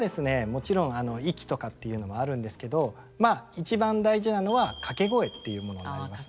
もちろん息とかっていうのもあるんですけどまあ一番大事なのは「掛け声」っていうものになりますね。